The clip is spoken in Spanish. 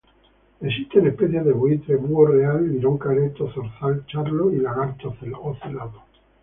Existen especies de buitre, búho real, lirón careto, zorzal charlo y lagarto ocelado.